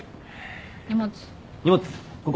荷物ここ。